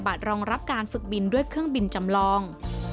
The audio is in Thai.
รองรับการฝึกบินด้วยเครื่องบินจำลอง